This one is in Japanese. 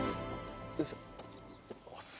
よいしょ。